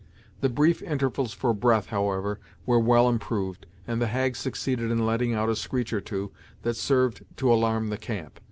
The brief intervals for breath, however, were well improved, and the hag succeeded in letting out a screech or two that served to alarm the camp.